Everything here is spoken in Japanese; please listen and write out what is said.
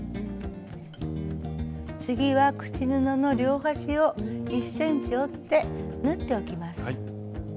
次は口布の両端を１ｃｍ折って縫っておきます。